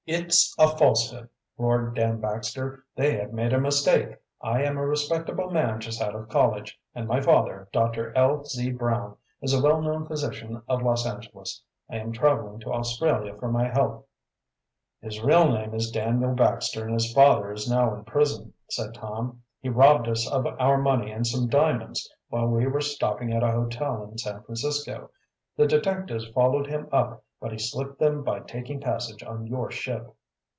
"It's a falsehood!" roared Dan Baxter. "They have made a mistake. I am a respectable man just out of college, and my father, Doctor L. Z. Brown, is a well known physician of Los Angeles. I am traveling to Australia for my health." "His real name is Daniel Baxter and his father is now in prison," said Tom. "He robbed us of our money and some diamonds while we were stopping at a hotel in San Francisco. The detectives followed him up, but he slipped them by taking passage on your ship."